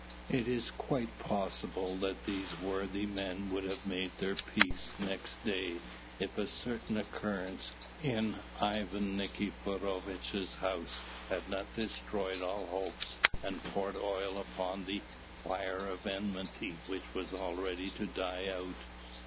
It is quite possible that these worthy men would have made their peace next day if a certain occurrence in Ivan Nikiforovitch's house had not destroyed all hopes and poured oil upon the fire of enmity which was ready to die out.